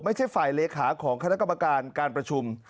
ไม่ใช่ฝ่ายเลขาของคณะกรรมการการประชุม